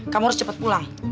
kamu harus cepet pulang